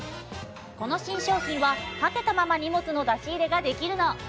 この新商品は立てたまま荷物の出し入れができるの。